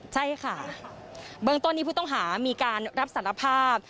ใช่ค่ะเบื้องต้นนี้ผู้ต้องหามีการรับสารภาพ